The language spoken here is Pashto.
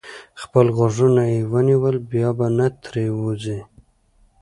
خپل غوږونه یې ونیول؛ بیا به نه تېروځي.